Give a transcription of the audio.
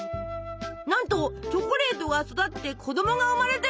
なんとチョコレートが育って子供が生まれてる！